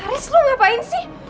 haris lu ngapain sih